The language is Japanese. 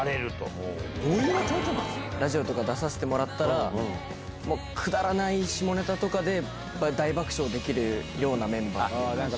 ラジオとか出させてもらったら、もう、くだらない下ネタとかで大爆笑できるようなメンバーなんです。